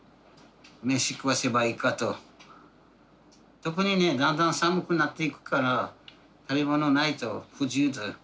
特にねだんだん寒くなっていくから食べ物ないと不自由だ。